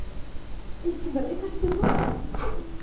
いつまでたっても。